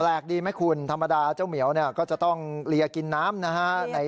แปลกดีไม่คุณธรรมดาเจ้าเหมียวเนี่ยก็จะต้องเลี่ยกินน้ำนะฮะในท่วยของเค้า